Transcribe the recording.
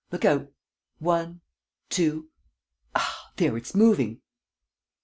. Look out! ... One, two ... ah, there, it's moving! .